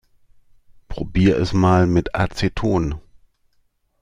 Probier es mal mit Aceton.